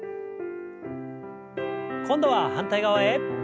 今度は反対側へ。